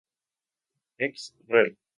Ex rel.